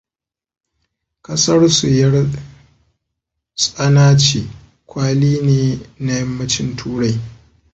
Kasarsu yar tsana ce kwali ne na Yammacin Turai.